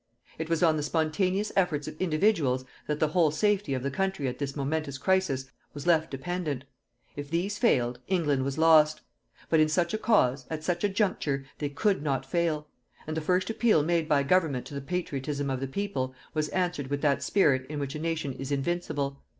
It was on the spontaneous efforts of individuals that the whole safety of the country at this momentous crisis was left dependent: if these failed, England was lost; but in such a cause, at such a juncture, they could not fail; and the first appeal made by government to the patriotism of the people was answered with that spirit in which a nation is invincible.